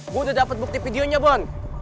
bu udah dapet bukti videonya bon